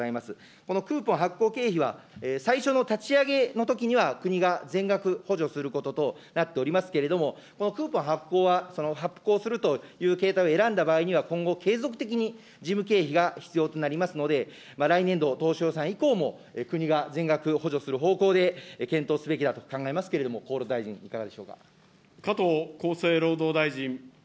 このクーポン発行経費は、最初の立ち上げのときには、国が全額補助することとなっておりますけれども、このクーポン発行は、発行するという形態を選んだ場合には、今後、継続的に事務経費が必要となりますので、来年度当初予算以降も国が全額補助する方向で、検討すべきだと考えますけれども、厚労大臣、いかがでしょうか。